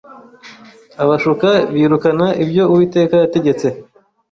Abashuka birukana ibyo Uwiteka yategetse